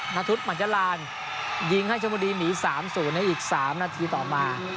ณทุษมันจะลานยิงให้ชมดีหนี๓๐ในอีก๓นาทีต่อมา